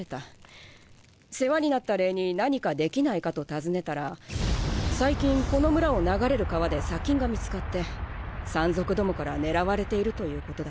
世話になった礼に何かできないかと尋ねたら最近この村を流れる川で砂金が見つかって山賊どもから狙われているということだった。